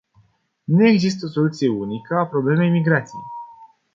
Nu există o soluție unică a problemei migrației.